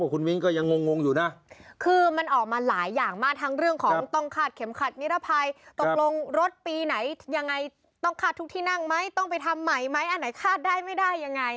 ต้องไปทำใหม่ไหมอันไหนคาดได้ไม่ได้ยังไง